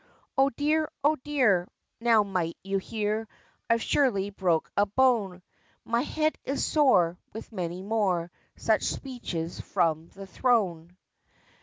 "O dear! O dear!" now might you hear, "I've surely broke a bone"; "My head is sore," with many more Such speeches from the thrown.